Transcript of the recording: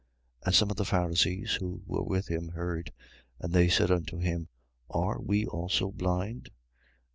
And some of the Pharisees, who were with him, heard: and they said unto him: Are we also blind?